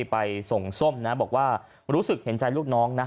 ไปส่งส้มนะบอกว่ารู้สึกเห็นใจลูกน้องนะ